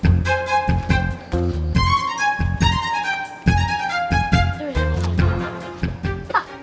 ustadz udah tuh